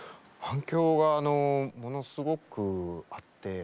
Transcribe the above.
反響がものすごくあって。